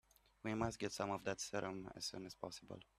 We must get some of that serum as soon as possible.